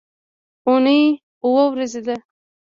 اونۍ اووه ورځې ده